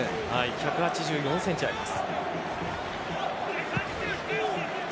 １８４センチあります。